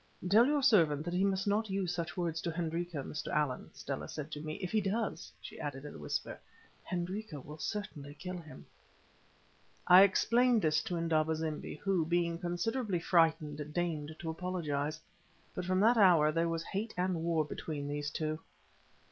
"Tell your servant that he must not use such words to Hendrika, Mr. Allan," Stella said to me. "If he does," she added, in a whisper, "Hendrika will certainly kill him." I explained this to Indaba zimbi, who, being considerably frightened, deigned to apologize. But from that hour there was hate and war between these two.